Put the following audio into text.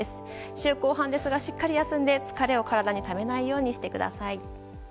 週後半ですが、しっかり休んで疲れを体にためないようにしてください。